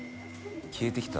消えてきた？